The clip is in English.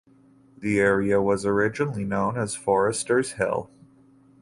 The area was originally known as Foresters Hill.